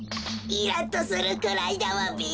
イラッとするくらいだわべ。